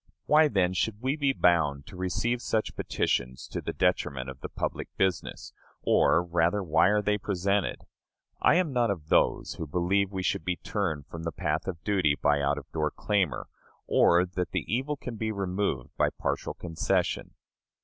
Why, then, should we be bound to receive such petitions to the detriment of the public business; or, rather, why are they presented? I am not of those who believe we should be turned from the path of duty by out of door clamor, or that the evil can be removed by partial concession.